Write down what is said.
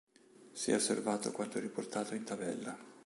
Si è osservato quanto riportato in tabella.